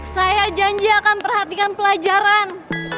saya janji akan perhatikan pelajaran